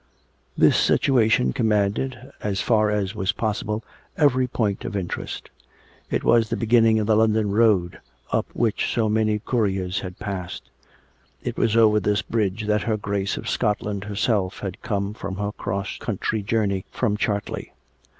This situation commanded, so far as was pos sible, every point of interest. It was the beginning of the London road, up which so many couriers had passed; it was over this bridge that her Grace of Scotland herself had come from her cross country journey from Chartley.